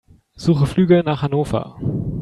Suche Flüge nach Hannover.